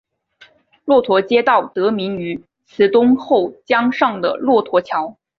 骆驼街道得名于慈东后江上的骆驼桥。